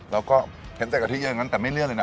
แล้วก็เะ็บเสร็จอทิริย์อย่างนั้นแต่ไม่เลื่อนเลยนะ